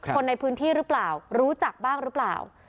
คนในพื้นที่หรือเปล่ารู้จักบ้างหรือเปล่า